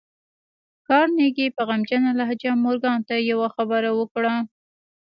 کارنګي په غمجنه لهجه مورګان ته يوه خبره وکړه.